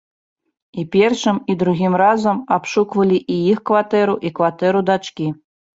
І першым, і другім разам абшуквалі і іх кватэру, і кватэру дачкі.